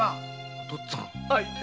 お父っつぁん。